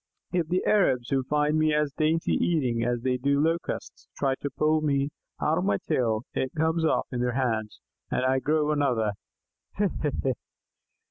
If the Arabs, who find me as dainty eating as they do Locusts, try to pull me out by my tail, it comes off in their hands, and I grow another. He! he! he!"